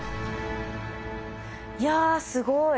いやすごい。